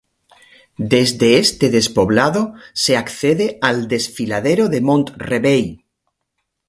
Desde este despoblado se accede al desfiladero de Mont-rebei.